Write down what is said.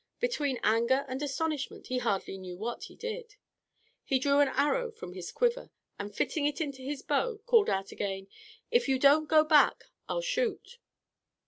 Between anger and astonishment he hardly knew what he did. He drew an arrow from his quiver, and fitting it to his bow, called out again, "If you don't go back I'll shoot."